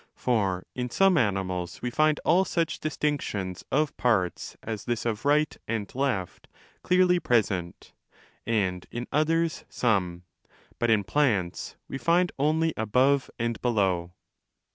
For in some animals we find all such distinctions of parts as this of right and left clearly present, and in others some; but in plants we find only above and below.